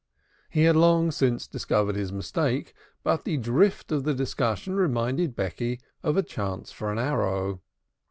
He had long since discovered his mistake, but the drift of the discussion reminded Becky of a chance for an arrow.